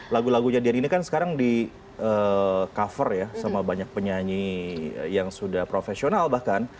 lagu lagunya dian ini kan sekarang di cover ya sama banyak penyanyi yang sudah profesional bahkan